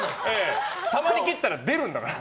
たまり切ったら出るんだから。